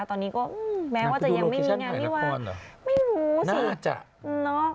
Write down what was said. ตอนนี้ก็แม้ว่าจะยังไม่มีงานวิวาไม่รู้น่าจะเนอะ